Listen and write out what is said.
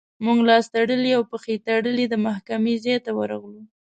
موږ لاس تړلي او پښې تړلي د محکمې ځای ته ورغلو.